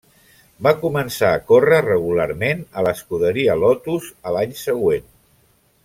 Va començar a córrer regularment a l'escuderia Lotus a l'any següent.